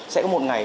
sẽ có một ngày